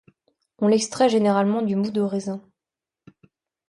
On l'extrait généralement du moût de raisin.